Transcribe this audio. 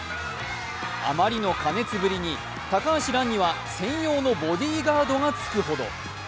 あまりの過熱ぶりに高橋藍には専用のボディーガードがつくほど。